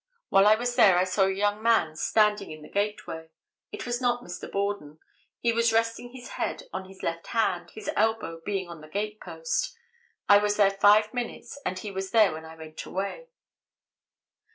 While I was there I saw a young man standing in the gateway; it was not Mr. Borden; he was resting his head on his left hand, his elbow being on the gatepost; I was there five minutes and he was there when I went away."